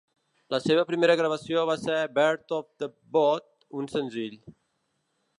La seva primera gravació va ser "Birth of the Budd", un senzill.